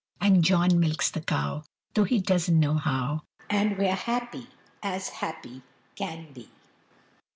And John milks the cow, Though he doesn't know how, And we're happy as happy can be.